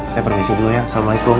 saya permisi dulu ya assalamualaikum